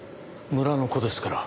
村の子ですから。